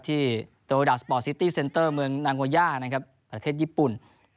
ที่โตดาสปอร์ซิตี้เซ็นเตอร์เมืองนางโวย่านะครับประเทศญี่ปุ่น